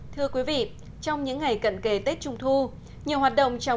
thưa quý vị trong những ngày cận kề tết trung thu nhiều hoạt động chào mừng